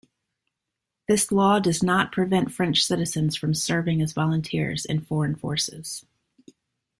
This law does not prevent French citizens from serving as volunteers in foreign forces.